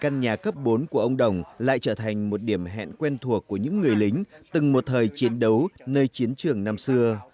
nhà cấp bốn của ông đồng lại trở thành một điểm hẹn quen thuộc của những người lính từng một thời chiến đấu nơi chiến trường năm xưa